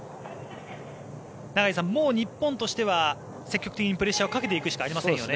永井さん、もう日本としては積極的にプレッシャーをかけていくしかありませんよね。